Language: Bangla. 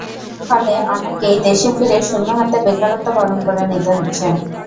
ফলে অনেককেই দেশে ফিরে শূন্য হাতে বেকারত্ব বরণ করে নিতে হচ্ছে।